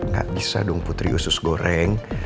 gak bisa dong putri usus goreng